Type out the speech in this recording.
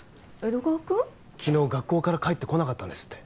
昨日学校から帰ってこなかったんですって。